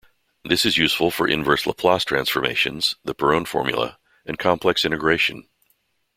This is useful for inverse Laplace transforms, the Perron formula and complex integration.